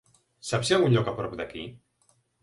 Saps si hi ha un lloc prop d'aquí?